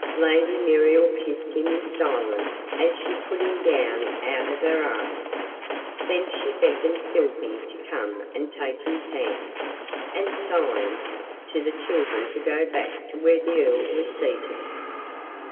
Lady Muriel kissed him in silence as she put him down out of her arms. Then she beckoned Sylvie to come and take his hand, and signed to the children to go back to where the Earl was seated.